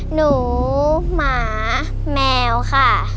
หนูหมาแมวค่ะ